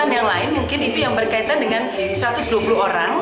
yang lain mungkin itu yang berkaitan dengan satu ratus dua puluh orang